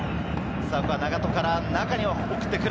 永戸から中に送ってくる。